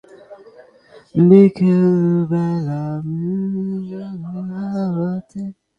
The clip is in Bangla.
ভেজাল প্রতিরোধে সবাইকে যার যার জায়গা থেকে আন্তরিকভাবে কাজ করতে হবে।